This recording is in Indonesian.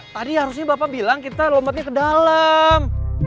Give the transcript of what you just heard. tadi harusnya bapak bilang kita lombatnya ke dalam